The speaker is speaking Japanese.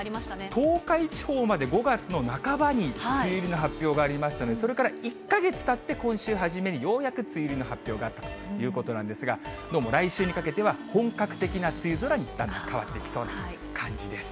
東海地方まで５月の半ばに梅雨入りの発表がありましたので、それから１か月たって今週初めにようやく梅雨入りの発表があったということなんですが、どうも来週にかけては本格的な梅雨空にだんだん変わっていきそうな感じです。